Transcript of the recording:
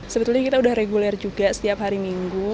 sebetulnya kita udah reguler juga setiap hari minggu